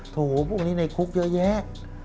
โหพวกนี้ในคุกเยอะแยะ